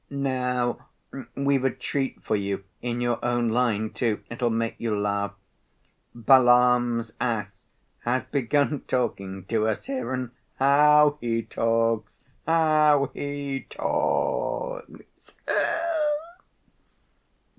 Now we've a treat for you, in your own line, too. It'll make you laugh. Balaam's ass has begun talking to us here—and how he talks! How he talks!"